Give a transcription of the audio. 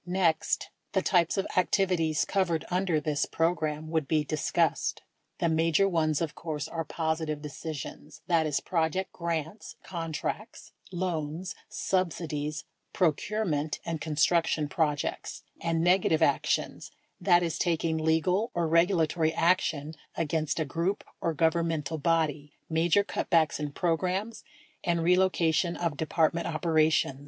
Next, the types of activities covered under this program wrnuld be discussed. The major ones, of course, are positive decisions (that is, project grants, contracts, loans, subsidies, procurement and construction projects), and negative ac tions (that is, taking legal or regulatory action against a group or governmental body, major cutbacks in programs, and relocation of Department operations)